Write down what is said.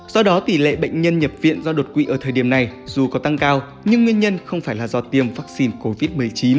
do đó tỷ lệ bệnh nhân nhập viện do đột quỵ ở thời điểm này dù có tăng cao nhưng nguyên nhân không phải là do tiêm vaccine covid một mươi chín